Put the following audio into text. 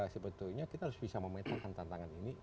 sebetulnya kita harus bisa memetakan tantangan ini